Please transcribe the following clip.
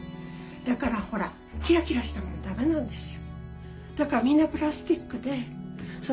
だからほらキラキラしたのはダメなんですよ。